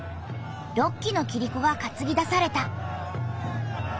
６基のキリコがかつぎ出された。